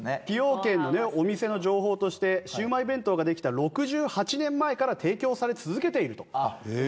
崎陽軒のお店の情報としてシウマイ弁当ができた６８年前から提供され続けていると。